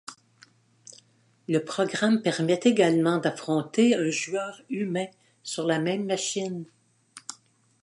Le programme permet également d'affronter un joueur humain sur la même machine.